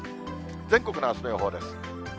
全国のあすの予報です。